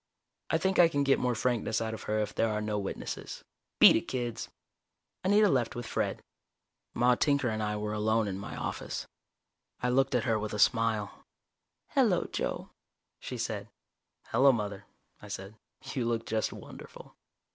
I think I can get more frankness out of her if there are no witnesses. Beat it, kids." Anita left with Fred. Maude Tinker and I were alone in my office. I looked at her with a smile. "Hello, Joe," she said. "Hello, Mother," I said. "You look just wonderful."